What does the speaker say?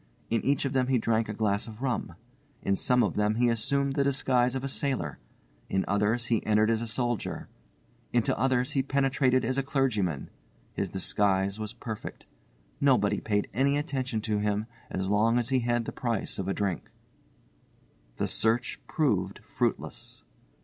In each of them he drank a glass of rum. In some of them he assumed the disguise of a sailor. In others he entered as a solider. Into others he penetrated as a clergyman. His disguise was perfect. Nobody paid any attention to him as long as he had the price of a drink. The search proved fruitless.